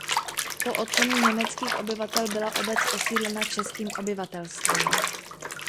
Po odsunu německých obyvatel byla obec osídlena českým obyvatelstvem.